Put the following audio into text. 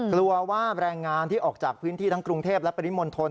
กลัวว่าแรงงานที่ออกจากพื้นที่ทั้งกรุงเทพและปริมณฑล